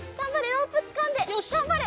ロープつかんでがんばれ！